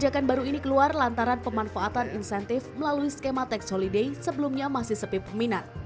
kebijakan baru ini keluar lantaran pemanfaatan insentif melalui skema tax holiday sebelumnya masih sepi peminat